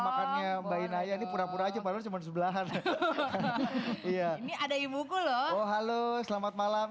makannya mbak inaya ini pura pura aja baru cuman sebelahan iya ada ibu gue loh halo selamat malam